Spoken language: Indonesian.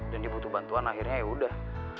dan dia butuh bantuan akhirnya ya udah